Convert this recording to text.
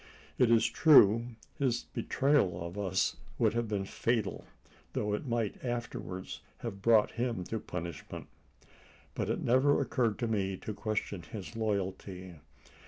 It is true his betrayal of us would have been fatal; though it might afterwards have brought himself to punishment. But it never occurred to me to question his loyalty.